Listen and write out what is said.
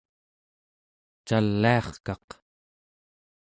caliarkaq